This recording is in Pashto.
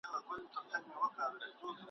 همداسي هره وسیله او هر فرصت کاروي ,